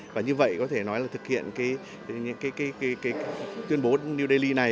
và như vậy có thể nói là thực hiện tuyên bố new daily này